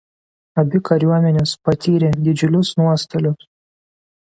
Abi kariuomenės patyrė didžiulius nuostolius.